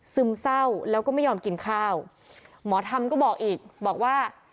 ซึมเศร้าแล้วก็ไม่ยอมกินข้าวหมอธรรมก็บอกอีกบอกว่า